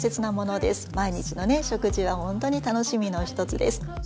毎日の食事は本当に楽しみの一つです。